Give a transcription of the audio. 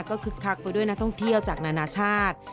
ก็คึกคักไปด้วยนักท่องเที่ยวจากนานาชาติ